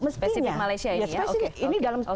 spesifik malaysia ini ya ini dalam